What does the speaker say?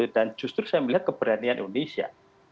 dan justru saya melihat keberanian indonesia